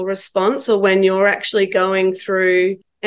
atau ketika anda sebenarnya melalui kemampuan yang tidak bisa